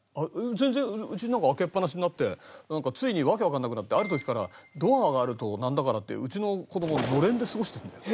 全然うちの中開けっぱなしになってついに訳わかんなくなってある時からドアがあるとなんだからってうちの子供のれんで過ごしてるんだよ。